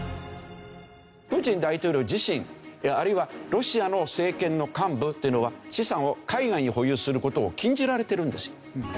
プーチン大統領自身あるいはロシアの政権の幹部っていうのは資産を海外に保有する事を禁じられてるんですよ。